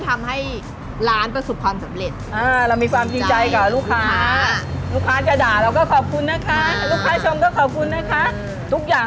๙ตัวถี่๑๕๐แองก์มาแล้วหรือเปล่า